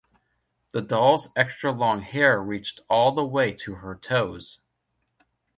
The doll's extra-long hair reached all the way to her toes.